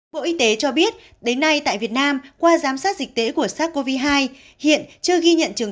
bộ y tế cho biết đến nay tại việt nam qua giám sát dịch tễ của sars cov hai hiện chưa ghi nhận trường